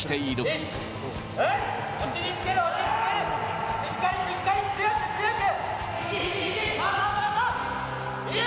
しっかり、しっかり、強く、強く。